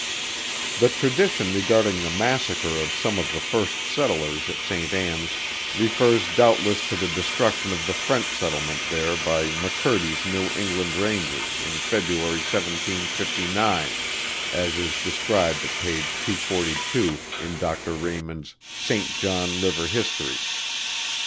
The tradition regarding the massacre of some of the first settlers at St. Ann's refers doubtless to the destruction of the French settlement there by McCurdy's New England Rangers in February, 1759, as is described at page 242 in Dr. Raymond's "St. John River History."